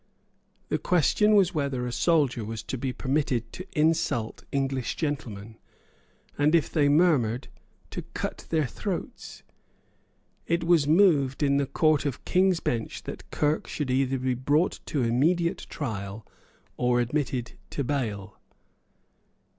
The question was whether a soldier was to be permitted to insult English gentlemen, and, if they murmured, to cut their throats? It was moved in the Court of King's Bench that Kirke should either be brought to immediate trial or admitted to bail.